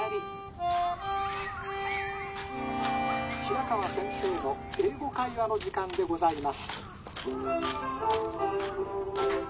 「平川先生の『英語会話』の時間でございます」。